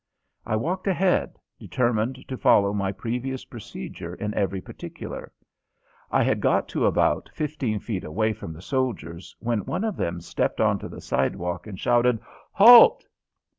I walked ahead, determined to follow my previous procedure in every particular. I had got to about fifteen feet away from the soldiers when one of them stepped onto the sidewalk and shouted: "Halt!"